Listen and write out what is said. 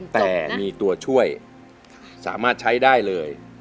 แต่มีตัวช่วยสามารถใช้ได้เลย